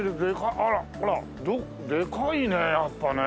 あらっほらでかいねやっぱね。